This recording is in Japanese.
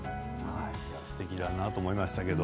すてきだなと思いました。